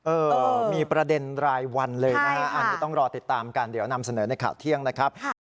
เออมีประเด็นรายวันเลยนะฮะอันนี้ต้องรอติดตามกันเดี๋ยวนำเสนอในข่าวเที่ยงนะครับ